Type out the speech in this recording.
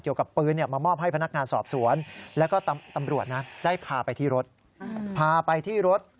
เกี่ยวกับปืนมามอบให้พนักงานสอบสวนแล้วก็ตำรวจนะได้พาไปที่รถพาไปที่รถ